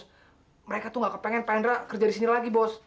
terus mereka tuh gak kepengen pak hendra kerja di sini lagi bos